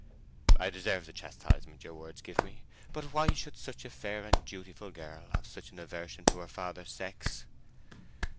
"I deserve the chastisement your words give me. But why should such a fair and dutiful girl have such an aversion to her father's sex?"